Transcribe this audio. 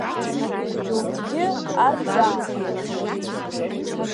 Џьоукгьы арҵәаа нхырҵон.